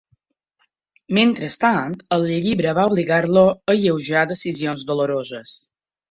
Mentrestant, el llibre va obligar-lo a alleujar decisions doloroses.